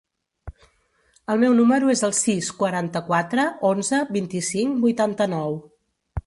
El meu número es el sis, quaranta-quatre, onze, vint-i-cinc, vuitanta-nou.